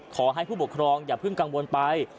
ขอให้ผู้ปกครองอย่าเพิ่งกังวลไป